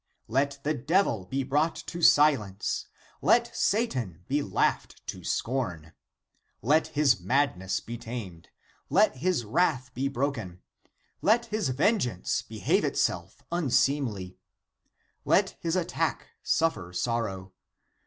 Let the devil be brought to silence ; let Satan be laughed to scorn ; let ACTS OF JOHN 195 his madness be tamed ; let his wrath be broken ; let his vengeance behave itself unseemly ; let his attack suffer sorrow.